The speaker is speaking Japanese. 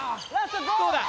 どうだ？